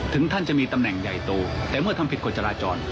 ท่านจะมีตำแหน่งใหญ่โตแต่เมื่อทำผิดกฎจราจร